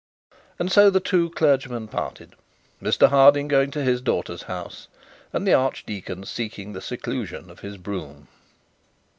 And so the two clergymen parted. Mr Harding going to his daughter's house, and the archdeacon seeking the seclusion of his brougham.